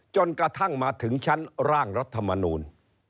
จนกระทั่งมาถึงชั้นร่างรัฐมนูล